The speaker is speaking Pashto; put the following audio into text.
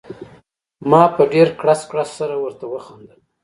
ما په ډېر کړس کړس سره ورته وخندل.